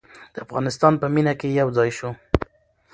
د افغانستان په مینه کې یو ځای شو.